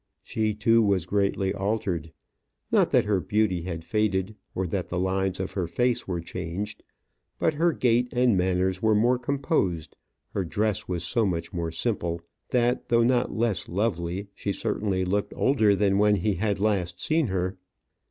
She, too, was greatly altered. Not that her beauty had faded, or that the lines of her face were changed; but her gait and manners were more composed; her dress was so much more simple, that, though not less lovely, she certainly looked older than when he had last seen her.